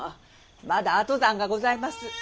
まだ後産がございます！